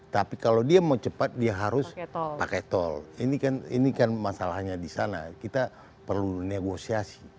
tapi kalau dia mau cepat dia harus pakai tol ini kan masalahnya di sana kita perlu negosiasi